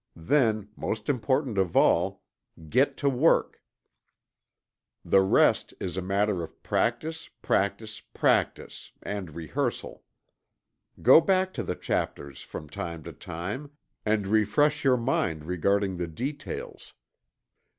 Then, most important of all get to work. The rest is a matter of practice, practice, practice, and rehearsal. Go back to the chapters from time to time, and refresh your mind regarding the details.